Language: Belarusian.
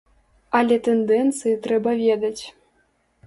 Але тэндэнцыі трэба ведаць.